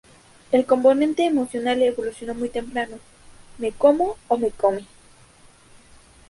El componente emocional evolucionó muy temprano: ¿Me como, o me come?